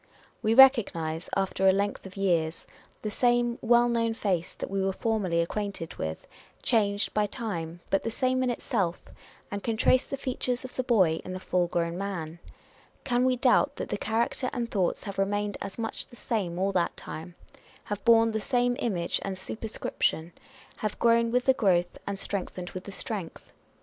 Wo recognise, after a length of years, the same well known face that we were formerly acquainted with, changed by time, but the same in itself ; and can trace the features of the boy in the full grown man. Can we doubt that the character and thoughts have remained as much the same all that time; have borne the same image and super scription ; have grown with the growth, and strengthened with the strength?